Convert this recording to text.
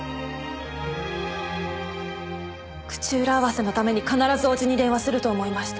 口裏合わせのために必ず叔父に電話すると思いました。